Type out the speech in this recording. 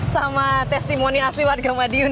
sama testimoni asli warga madiun